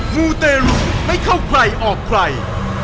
มูเตรุไม่เข้าใครออกใคร